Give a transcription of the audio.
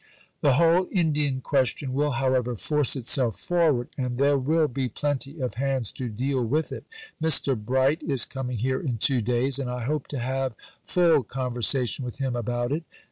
The whole Indian question will, however, force itself forward, and there will be plenty of hands to deal with it. Mr. Bright is coming here in two days, and I hope to have full conversation with him about it.